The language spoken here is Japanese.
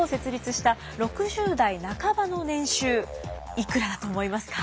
いくらだと思いますか？